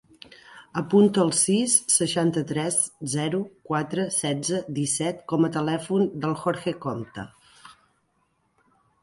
Apunta el sis, seixanta-tres, zero, quatre, setze, disset com a telèfon del Jorge Compte.